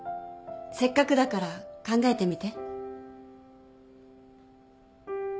せっかくだから考えてみて。